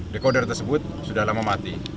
dekoder tersebut sudah lama mati